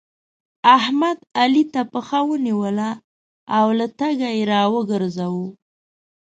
احمد؛ علي ته پښه ونيوله او له تګه يې راوګرځاوو.